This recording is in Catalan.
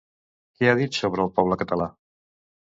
Què ha dit sobre el poble català?